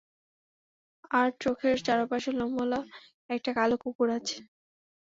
আর চোখের চারপাশে লোমওয়ালা একটা কালো কুকুর আছে।